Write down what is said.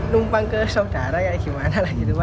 numpang ke saudara ya gimana lah gitu